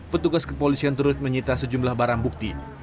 petugas kepolisian turut menyita sejumlah barang bukti